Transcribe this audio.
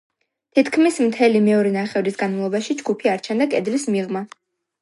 თითქმის მთელი მეორე ნახევრის განმავლობაში ჯგუფი არ ჩანდა კედლის მიღმა.